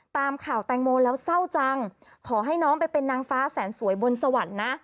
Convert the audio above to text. ตามข่าวแตงโมแล้วเศร้าจังขอให้น้องไปเป็นนางฟ้าแสนสวยบนสวรรค์นะ